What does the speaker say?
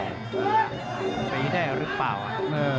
ใจได้หรือเปล่าเออ